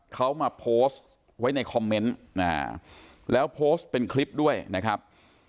เขามาโพสต์ไว้ในคอมเมนต์แล้วโพสต์เป็นคลิปด้วยนะครับ